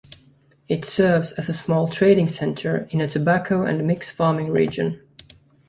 It serves as a small trading centre in a tobacco and mix farming region.